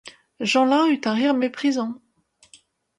Jeanlin eut un rire méprisant.